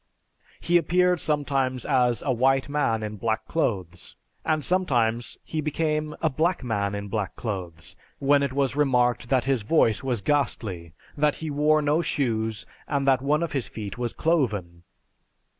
He appeared sometimes as a white man in black clothes, and sometimes he became a black man in black clothes, when it was remarked that his voice was ghastly, that he wore no shoes, and that one of his feet was cloven.